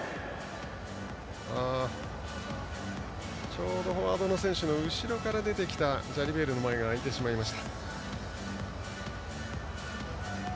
ちょうどフォワードの選手の後ろから出てきたジャリベールの前が空いてしまいました。